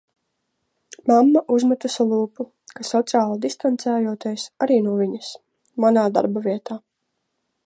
Mamma uzmetusi lūpu, ka sociāli distancējoties arī no viņas. Manā darbavietā.